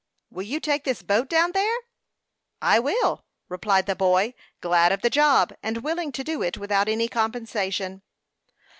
"Will you take this boat down there?" "I will," replied the boy, glad of the job, and willing to do it without any compensation.